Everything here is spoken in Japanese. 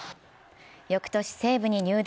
翌年、西武に入団。